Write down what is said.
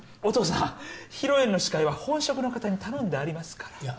お父さん披露宴の司会は本職の方に頼んでありますから。